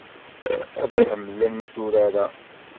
Ad ḥemmlent urar-a.